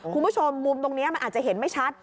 คุณผู้ชมมุมตรงนี้มันอาจจะเห็นไม่ชัด